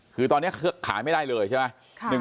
คือตอนนี้ขายไม่ได้เลยใช่ไหม